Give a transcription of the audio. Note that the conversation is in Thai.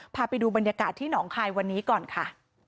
พาไปดูบรรยากาศที่หนองคายวันนี้ก่อนค่ะ